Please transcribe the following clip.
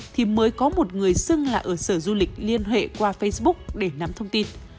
thì mới có một người xưng là ở sở du lịch liên hệ qua facebook để nắm thông tin